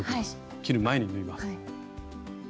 切る前に縫います。